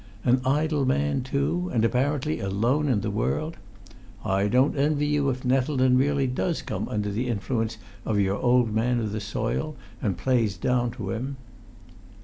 An idle man, too, and apparently alone in the world! I don't envy you if Nettleton really does come under the influence of your old man of the soil, and plays down to him!"